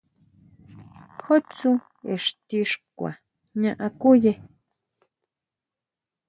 ¿Jú tsú ixtixkua jña akuye?